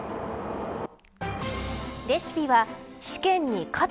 レシピは試験に勝つ！